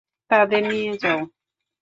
তাদের নিয়ে যাও।